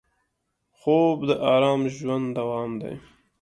خوب د ارام ژوند دوام دی